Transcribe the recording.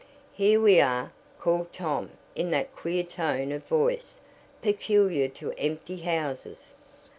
"Here we are!" called Tom in that queer tone of voice peculiar to empty houses.